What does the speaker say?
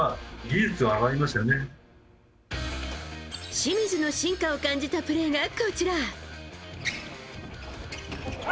清水の進化を感じたプレーがこちら。